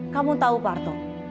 kamu tahu parto